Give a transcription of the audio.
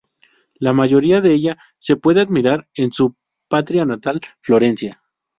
La mayoría de ellas se pueden admirar en su patria natal, Florencia.